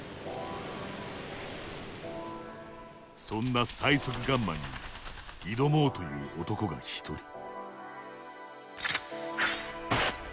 そんな最速ガンマンに挑もうという男が一人。